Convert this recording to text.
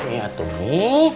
ya tuh mi